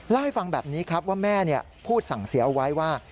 เล่าให้ฟังแบบนี้ครับว่าแม่พูดสั่งเสียเอาไว้ว่า